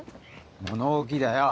物置だよ